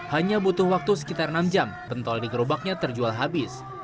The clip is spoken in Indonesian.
hanya butuh waktu sekitar enam jam pentol di gerobaknya terjual habis